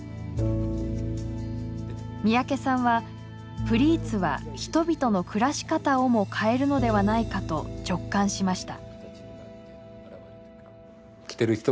三宅さんはプリーツは人々の暮らし方をも変えるのではないかと直感しました。